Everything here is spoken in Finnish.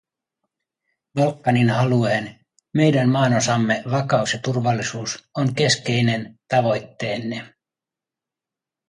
Balkanin alueen, meidän maanosamme vakaus ja turvallisuus, on keskeinen tavoitteenne.